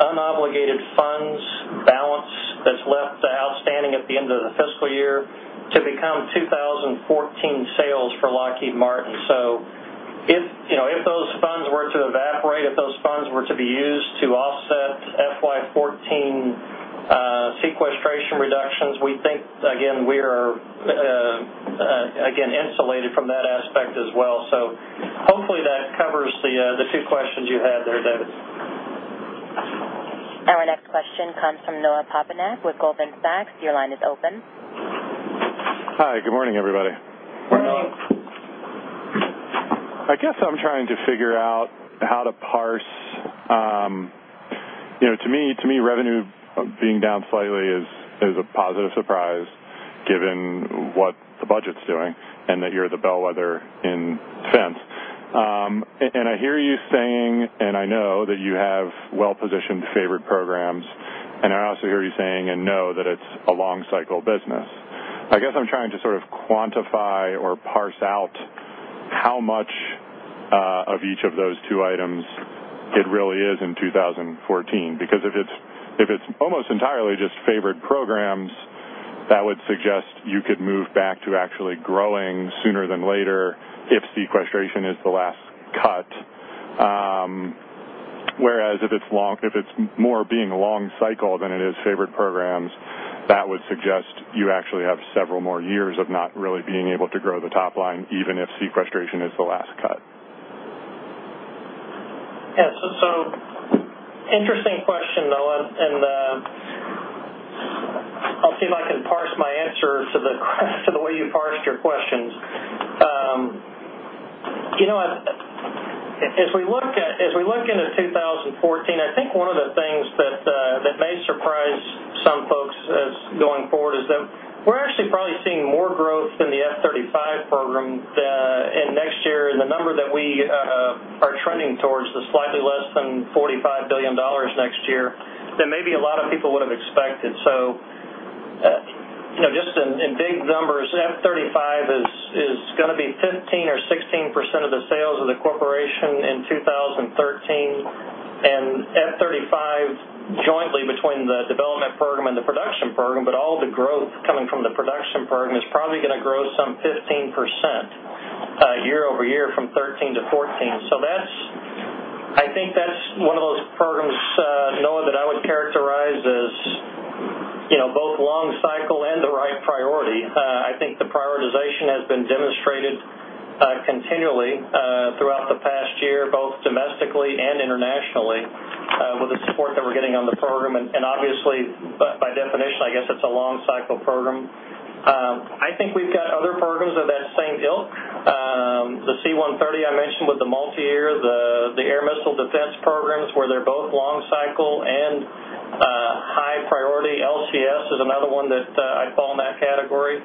unobligated funds balance that's left outstanding at the end of the fiscal year to become 2014 sales for Lockheed Martin to be used to offset FY 2014 sequestration reductions. We think, again, we are insulated from that aspect as well. Hopefully that covers the two questions you had there, David. Our next question comes from Noah Poponak with Goldman Sachs. Your line is open. Hi. Good morning, everybody. Morning. I guess I'm trying to figure out how to parse. To me, revenue being down slightly is a positive surprise given what the budget's doing and that you're the bellwether in defense. I hear you saying, and I know that you have well-positioned favored programs, I also hear you saying, and know, that it's a long cycle business. I guess I'm trying to sort of quantify or parse out how much of each of those two items it really is in 2014, because if it's almost entirely just favored programs, that would suggest you could move back to actually growing sooner than later if sequestration is the last cut. Whereas if it's more being a long cycle than it is favored programs, that would suggest you actually have several more years of not really being able to grow the top line, even if sequestration is the last cut. Yeah. Interesting question, Noah, and I'll see if I can parse my answer to the way you parsed your questions. As we look into 2014, I think one of the things that may surprise some folks going forward is that we're actually probably seeing more growth in the F-35 program in next year and the number that we are trending towards, the slightly less than $45 billion next year, than maybe a lot of people would have expected. Just in big numbers, F-35 is going to be 15% or 16% of the sales of the corporation in 2013, and F-35 jointly between the development program and the production program, but all the growth coming from the production program is probably going to grow some 15% year-over-year from 2013 to 2014. I think that's one of those programs, Noah, that I would characterize as both long cycle and the right priority. I think the prioritization has been demonstrated continually throughout the past year, both domestically and internationally, with the support that we're getting on the program, and obviously, by definition, I guess it's a long cycle program. I think we've got other programs of that same ilk. The C-130 I mentioned with the multi-year, the air missile defense programs, where they're both long cycle and high priority. LCS is another one that I'd fall in that category.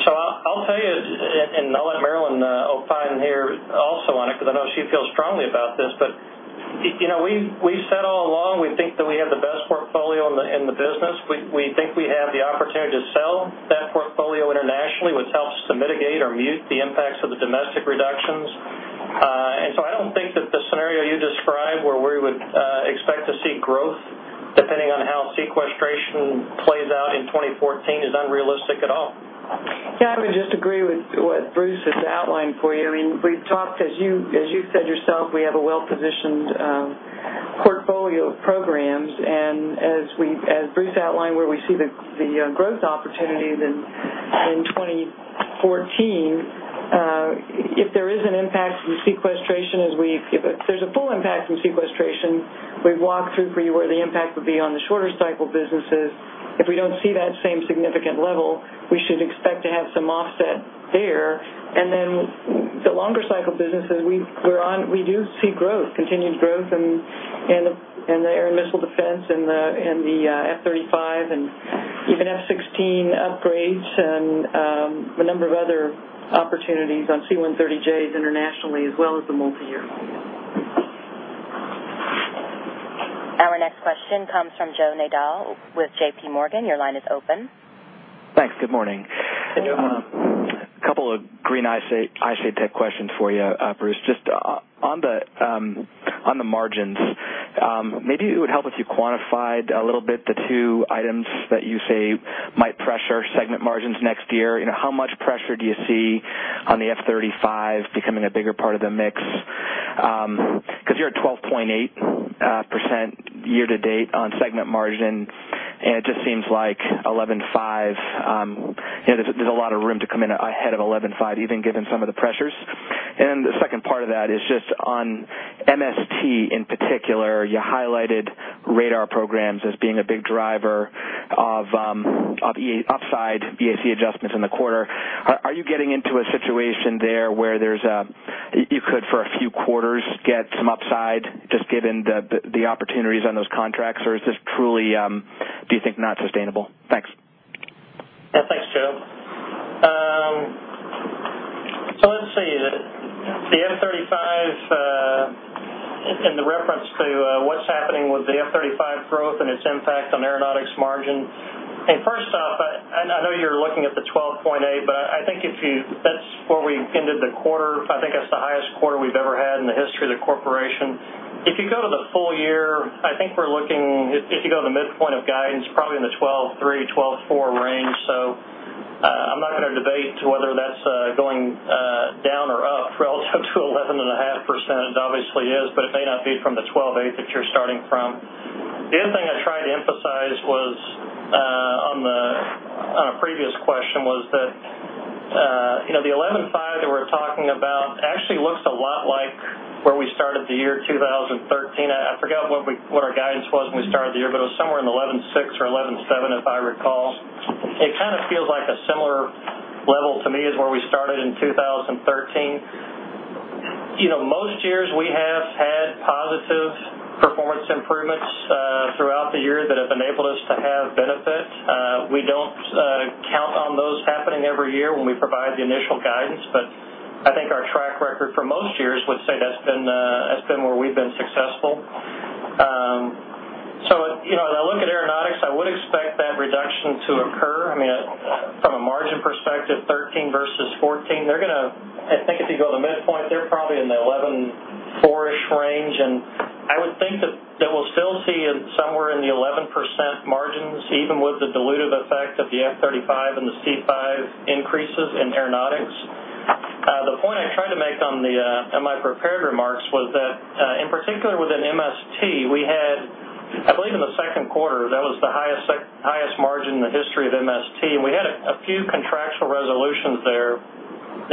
I'll tell you, and I'll let Marillyn opine here also on it, because I know she feels strongly about this, but we've said all along, we think that we have the best portfolio in the business. We think we have the opportunity to sell that portfolio internationally, which helps to mitigate or mute the impacts of the domestic reductions. I don't think that the scenario you describe where we would expect to see growth depending on how sequestration plays out in 2014 is unrealistic at all. I would just agree with what Bruce has outlined for you. I mean, we've talked, as you've said yourself, we have a well-positioned portfolio of programs, and as Bruce outlined, where we see the growth opportunities in 2014, if there is an impact from sequestration, if there's a full impact from sequestration, we've walked through for you where the impact would be on the shorter cycle businesses. If we don't see that same significant level, we should expect to have some offset there. The longer cycle businesses, we do see growth, continued growth in the air and missile defense and the F-35 and even F-16 upgrades and a number of other opportunities on C-130Js internationally, as well as the multi-year. Our next question comes from Joe Nadol with JPMorgan. Your line is open. Thanks. Good morning. Hey, Joe. A couple of green eye shade tech questions for you, Bruce. Just on the margins, maybe it would help if you quantified a little bit the two items that you say might pressure segment margins next year. How much pressure do you see on the F-35 becoming a bigger part of the mix? Because you're at 12.8% year to date on segment margin, and it just seems like 11.5%, there's a lot of room to come in ahead of 11.5% even given some of the pressures. The second part of that is just on MST in particular, you highlighted radar programs as being a big driver of upside EAC adjustments in the quarter. Are you getting into a situation there where you could, for a few quarters, get some upside just given the opportunities on those contracts, or is this truly, do you think, not sustainable? Thanks. Yeah. Thanks, Joe. Let's see. The F-35, in the reference to what's happening with the F-35 growth and its impact on aeronautics margin. First off, I know you're looking at the 12.8%, but I think that's where we ended the quarter. I think that's the highest quarter we've ever had in the history of the corporation. If you go to the full year, I think we're looking, if you go to the midpoint of guidance, probably in the 12.3%, 12.4% range. Whether that's going down or up relative to 11.5%, it obviously is, but it may not be from the 12.8% that you're starting from. The other thing I tried to emphasize on a previous question was that the 11.5% that we're talking about actually looks a lot like where we started the year 2013. I forgot what our guidance was when we started the year, but it was somewhere in 11.6 or 11.7, if I recall. It kind of feels like a similar level to me as where we started in 2013. Most years we have had positive performance improvements throughout the year that have enabled us to have benefit. We don't count on those happening every year when we provide the initial guidance, but I think our track record for most years would say that's been where we've been successful. When I look at aeronautics, I would expect that reduction to occur. From a margin perspective, 2013 versus 2014, I think if you go to the midpoint, they're probably in the 11.4-ish range, and I would think that we'll still see it somewhere in the 11% margins, even with the dilutive effect of the F-35 and the C-5 increases in aeronautics. The point I tried to make in my prepared remarks was that, in particular within MST, I believe in the second quarter, that was the highest margin in the history of MST, and we had a few contractual resolutions there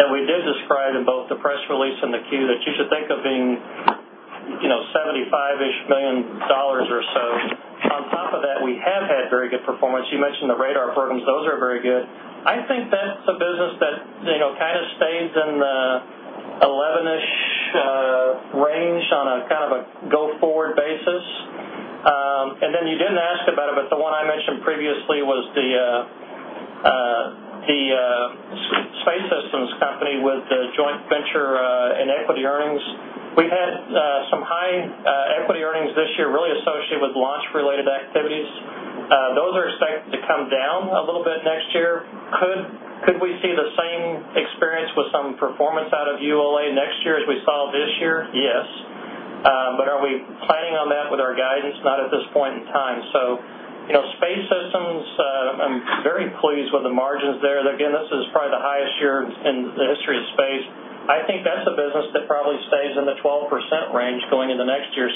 that we did describe in both the press release and the Q that you should think of being $75-ish million or so. On top of that, we have had very good performance. You mentioned the radar programs. Those are very good. I think that's a business that kind of stays in the 11-ish range on a go forward basis. You didn't ask about it, but the one I mentioned previously was the space systems company with the joint venture in equity earnings. We've had some high equity earnings this year really associated with launch-related activities. Those are expected to come down a little bit next year. Could we see the same experience with some performance out of ULA next year as we saw this year? Yes. Are we planning on that with our guidance? Not at this point in time. Space systems, I'm very pleased with the margins there. Again, this is probably the highest year in the history of space. I think that's a business that probably stays in the 12% range going into next year.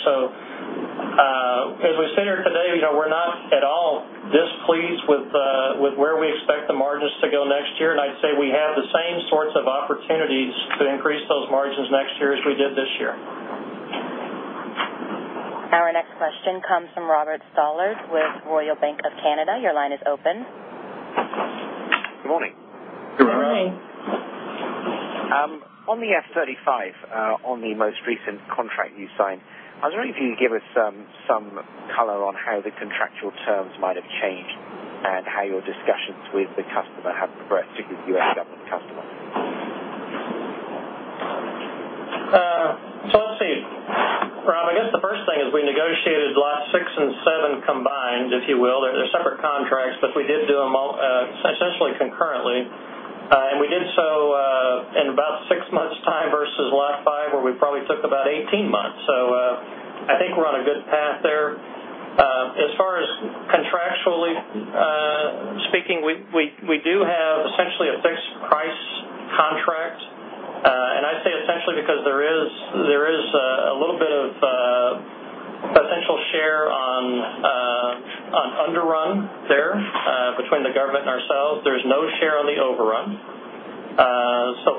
As we sit here today, we're not at all displeased with where we expect the margins to go next year, and I'd say we have the same sorts of opportunities to increase those margins next year as we did this year. Our next question comes from Robert Stallard with Royal Bank of Canada. Your line is open. Good morning. Good morning. On the F-35, on the most recent contract you signed, I was wondering if you could give us some color on how the contractual terms might have changed and how your discussions with the customer have progressed, if you end up with a customer. Let's see. Rob, I guess the first thing is we negotiated Lots 6 and 7 combined, if you will. They're separate contracts, but we did do them essentially concurrently. We did so in about six months' time versus Lot 5, where we probably took about 18 months. I think we're on a good path there. As far as contractually speaking, we do have essentially a fixed price contract. I say essentially because there is a little bit of potential share on underrun there between the government and ourselves. There's no share on the overrun.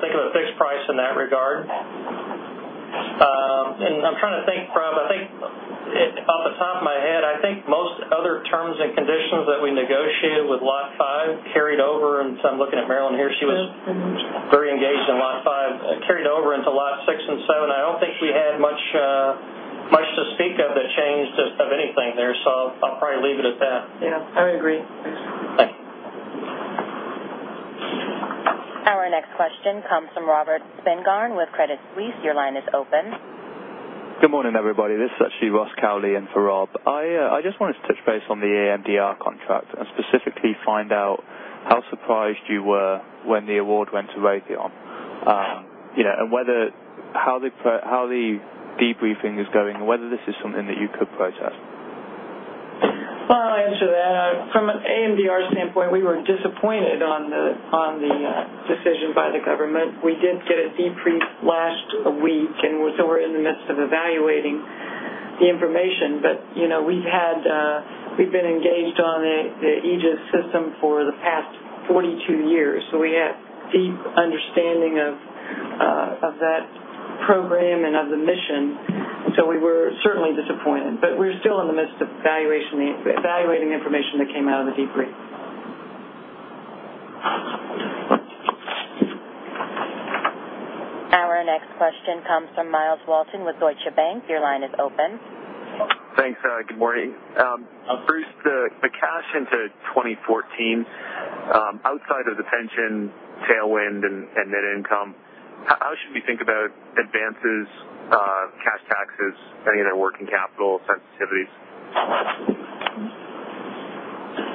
Think of a fixed price in that regard. I'm trying to think, Rob. Off the top of my head, I think most other terms and conditions that we negotiated with Lot 5 carried over. I'm looking at Marillyn here. She was very engaged in Lot 5. Carried over into Lot 6 and 7. I don't think we had much to speak of that changed of anything there. I'll probably leave it at that. Yeah, I would agree. Thanks. Our next question comes from Robert Spingarn with Credit Suisse. Your line is open. Good morning, everybody. This is actually Ross Cowley in for Rob. I just wanted to touch base on the AMDR contract and specifically find out how surprised you were when the award went to Raytheon. How the debriefing is going, and whether this is something that you could protest. I'll answer that. From an AMDR standpoint, we were disappointed on the decision by the government. We did get a debrief last week. We're in the midst of evaluating the information. We've been engaged on the Aegis system for the past 42 years, so we have deep understanding of that program and of the mission. We were certainly disappointed. We're still in the midst of evaluating the information that came out of the debrief. Our next question comes from Myles Walton with Deutsche Bank. Your line is open. Thanks. Good morning. Bruce, the cash into 2014, outside of the pension tailwind and net income, how should we think about advances, cash taxes, any of their working capital sensitivities?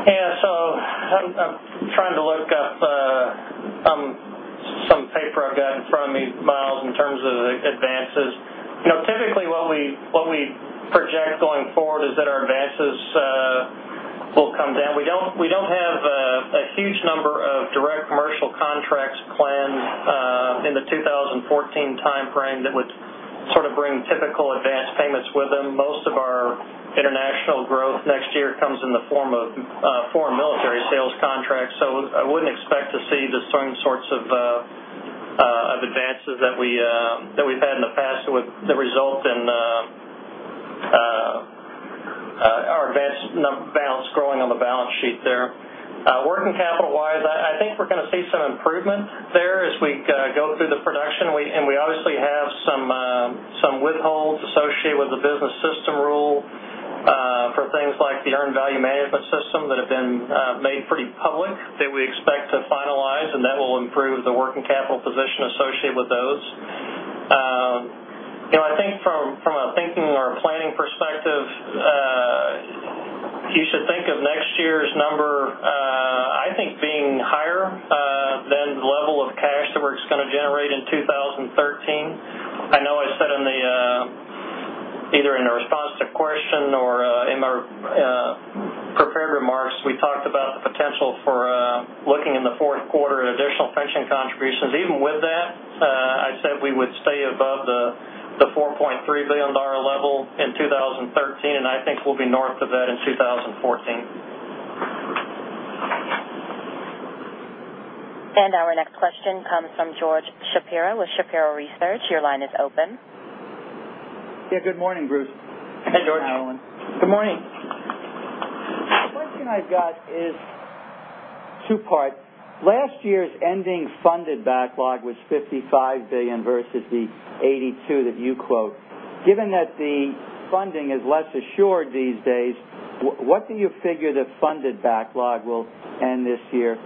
I'm trying to look up some paper I've got in front of me from What we project going forward is that our advances will come down. We don't have a huge number of direct commercial contracts planned in the 2014 timeframe that would bring typical advance payments with them. Most of our international growth next year comes in the form of foreign military sales contracts. I wouldn't expect to see the same sorts of advances that we've had in the past that result in our advance balance growing on the balance sheet there. Working capital-wise, I think we're going to see some improvement there as we go through the production. We obviously have some withholds associated with the business system rule for things like the earned value management system that have been made pretty public that we expect to finalize, and that will improve the working capital position associated with those. I think from a thinking or a planning perspective, you should think of next year's number, I think, being higher than the level of cash that we're just going to generate in 2013. I know I said either in a response to a question or in my prepared remarks, we talked about the potential for looking in the fourth quarter at additional pension contributions. Even with that, I said we would stay above the $4.3 billion level in 2013, and I think we'll be north of that in 2014. Our next question comes from George Shapiro with Shapiro Research. Your line is open. Yeah, good morning, Bruce. Hey, George. Marillyn. Good morning. The question I've got is two-part. Last year's ending funded backlog was $55 billion versus the $82 billion that you quote. Given that the funding is less assured these days, what do you figure the funded backlog will end this year?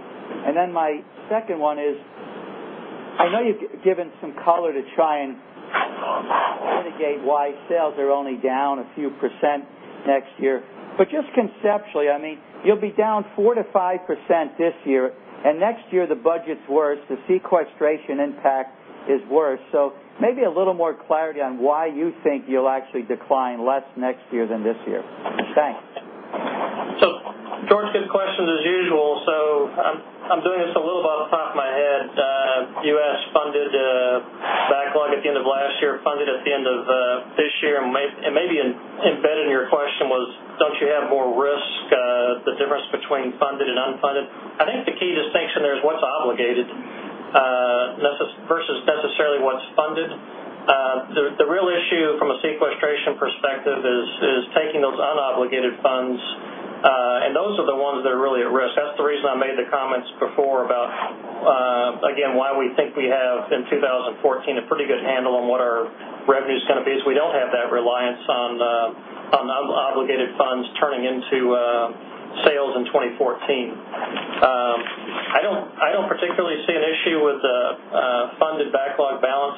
My second one is, I know you've given some color to try and mitigate why sales are only down a few percent next year. Just conceptually, you'll be down 4%-5% this year, and next year the budget's worse, the sequestration impact is worse. Maybe a little more clarity on why you think you'll actually decline less next year than this year. Thanks. George, good questions as usual. I'm doing this a little by the top of my head. U.S. funded backlog at the end of last year, funded at the end of this year, and maybe embedded in your question was, don't you have more risk, the difference between funded and unfunded? I think the key distinction there is what's obligated versus necessarily what's funded. The real issue from a sequestration perspective is taking those unobligated funds. Those are the ones that are really at risk. That's the reason I made the comments before about, again, why we think we have in 2014, a pretty good handle on what our revenue's going to be, is we don't have that reliance on the unobligated funds turning into sales in 2014. I don't particularly see an issue with the funded backlog balance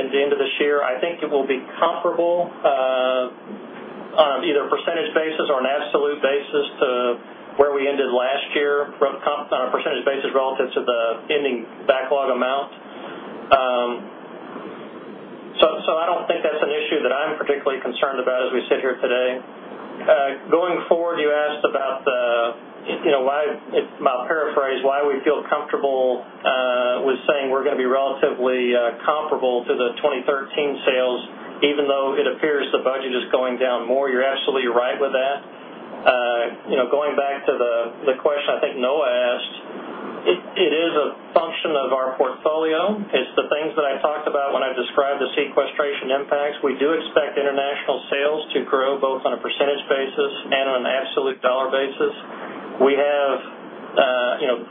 at the end of this year. I think it will be comparable on either a percentage basis or an absolute basis to where we ended last year on a percentage basis relative to the ending backlog amount. I don't think that's an issue that I'm particularly concerned about as we sit here today. Going forward, you asked about the, if I paraphrase, why we feel comfortable with saying we're going to be relatively comparable to the 2013 sales, even though it appears the budget is going down more. You're absolutely right with that. Going back to the question I think Noah asked, it is a function of our portfolio. It's the things that I talked about when I described the sequestration impacts. We do expect international sales to grow both on a percentage basis and on an absolute dollar basis. We have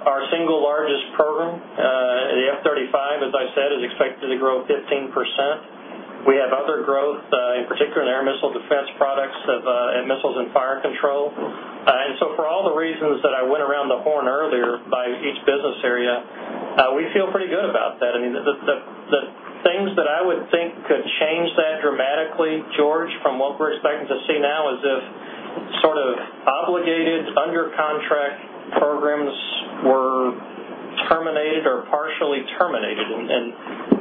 our single largest program, the F-35, as I said, is expected to grow 15%. We have other growth, in particular in air missile defense products and Missiles and Fire Control. For all the reasons that I went around the horn earlier by each business area, we feel pretty good about that. The things that I would think could change that dramatically, George, from what we're expecting to see now is if sort of obligated under contract programs were terminated or partially terminated.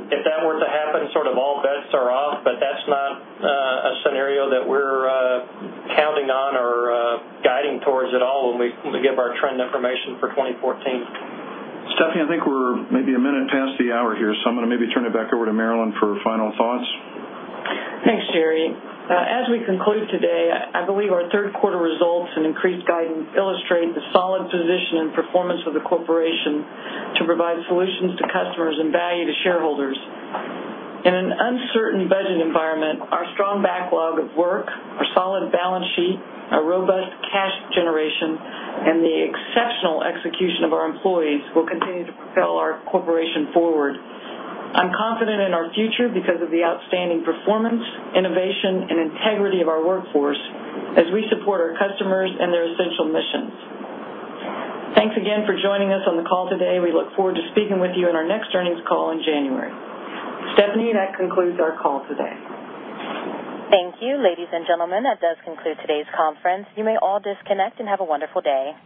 If that were to happen, sort of all bets are off, but that's not a scenario that we're counting on or guiding towards at all when we give our trend information for 2014. Stephanie, I think we're maybe a minute past the hour here, I'm going to maybe turn it back over to Marillyn for final thoughts. Thanks, Jerry. As we conclude today, I believe our third quarter results and increased guidance illustrate the solid position and performance of the corporation to provide solutions to customers and value to shareholders. In an uncertain budget environment, our strong backlog of work, our solid balance sheet, our robust cash generation, and the exceptional execution of our employees will continue to propel our corporation forward. I'm confident in our future because of the outstanding performance, innovation, and integrity of our workforce as we support our customers and their essential missions. Thanks again for joining us on the call today. We look forward to speaking with you on our next earnings call in January. Stephanie, that concludes our call today. Thank you. Ladies and gentlemen, that does conclude today's conference. You may all disconnect and have a wonderful day.